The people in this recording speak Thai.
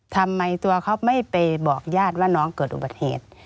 ทำไมตัวเขาไม่ไปบอกญาติว่าน้องเกิดอุบัติเหตุ